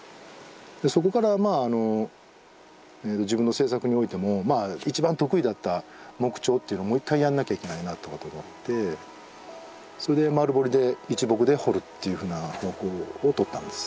そこからまああの自分の制作においても一番得意だった木彫っていうのもう一回やんなきゃいけないなってこと思ってそれで丸彫りで一木で彫るっていうふうな方向をとったんです。